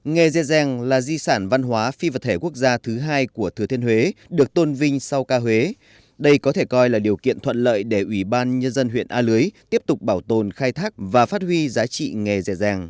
nghề dệt giang là di sản văn hóa phi vật thể quốc gia thứ hai của thừa thiên huế được tôn vinh sau ca huế đây có thể coi là điều kiện thuận lợi để ủy ban nhân dân huyện a lưới tiếp tục bảo tồn khai thác và phát huy giá trị nghề dẻ giang